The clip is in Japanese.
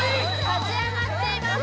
立ち上がっています